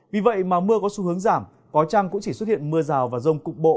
vì vậy mà mưa có xu hướng giảm có chăng cũng chỉ xuất hiện mưa rào và rông cục bộ